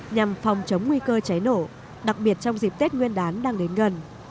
nhằm phòng chống nguy cơ cháy nổ đặc biệt trong dịp tết nguyên đán đang đến gần